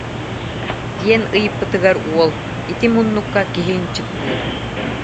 диэн ыйыппытыгар уол: «Ити муннукка киһи ынчыктыыр»